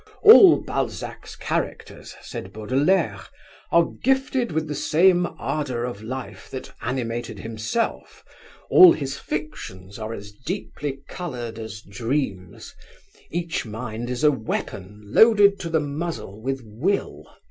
'All Balzac's characters;' said Baudelaire, 'are gifted with the same ardour of life that animated himself. All his fictions are as deeply coloured as dreams. Each mind is a weapon loaded to the muzzle with will.